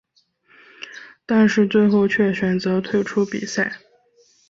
但是最后却选择退出比赛。